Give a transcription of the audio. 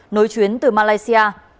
nối chuyến từ malaysia